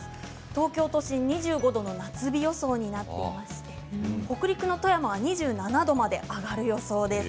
東京都心２５度の夏日予想になっていまして北陸の富山は２７度まで上がる予想です。